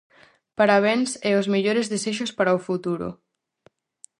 Parabéns e os mellores desexos para o futuro!